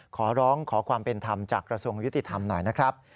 ขอร้องขอความเป็นธรรมจากกระทรวงยุติธรรมหน่อยนะครับ